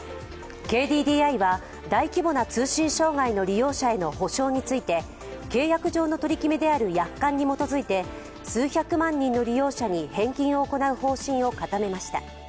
ＫＤＤＩは大規模な通信障害の利用者への補償について契約上の取り決めである約款に基づいて数百万人の利用者に返金を行う方針を固めました。